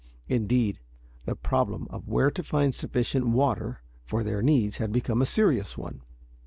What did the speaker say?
Indeed, the problem of where to find sufficient water for their needs had become a serious one.